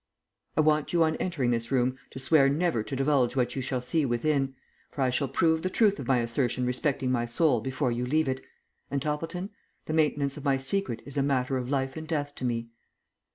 "I want you on entering this room to swear never to divulge what you shall see within, for I shall prove the truth of my assertion respecting my soul before you leave it, and, Toppleton, the maintenance of my secret is a matter of life and death to me."